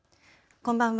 こんばんは。